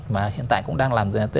và hiện tại cũng đang làm